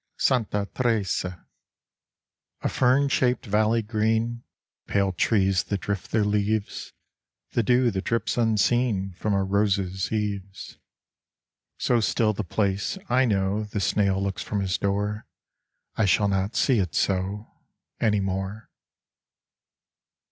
77 Santa Teresa Santa Teresa A fern shaped valley green, Pale trees that drift their leaves, The dew that drips unseen From a rose's eaves : So still the place, I know The snail looks from his door. I shall not see it so Any more.